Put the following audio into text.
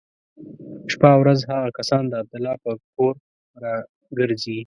شپه او ورځ هغه کسان د عبدالله پر کور را ګرځي.